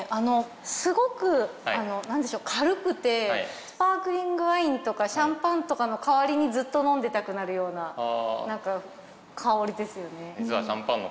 すごく軽くてスパークリングワインとかシャンパンとかの代わりにずっと飲んでたくなるような香りですよね。